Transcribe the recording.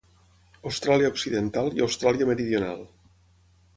Austràlia Occidental i Austràlia Meridional.